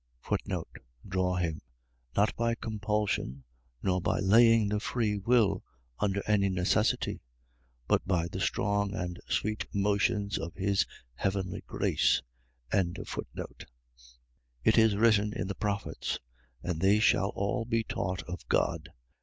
Draw him. . .Not by compulsion, nor by laying the free will under any necessity, but by the strong and sweet motions of his heavenly grace. 6:45. It is written in the prophets: And they shall all be taught of God.